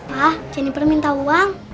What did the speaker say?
pak jennifer minta uang